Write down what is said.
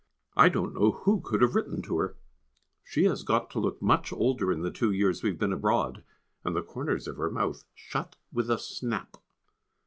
I don't know who could have written to her. She has got to look much older in the two years we have been abroad and the corners of her mouth shut with a snap.